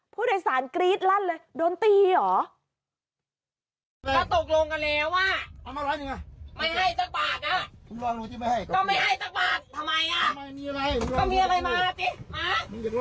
ผู้โดยสารกรี๊ดลั่นเลยโดนตีเหรอ